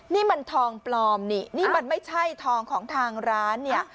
นี่มันทองปลอมนี่นี่มันไม่ใช่ทองของทางร้านเนี่ย